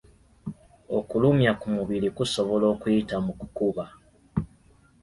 Okulumya ku mubiri kusobola okuyita mu kukuba.